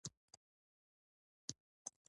د محمد وېس مهربان ملګرتیا نیکمرغه شوه.